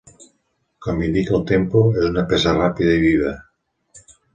Com indica el tempo, és una peça ràpida i viva.